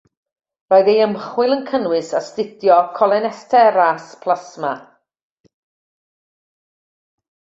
Roedd ei ymchwil yn cynnwys astudio colinesteras plasma.